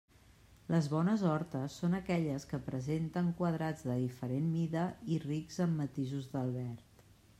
Les bones hortes són aquelles que presenten quadrats de diferent mida i rics en matisos del verd.